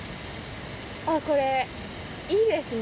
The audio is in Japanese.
これ、いいですね。